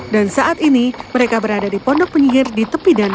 dan saat ini mereka berada di pondok penyihir di tepi dana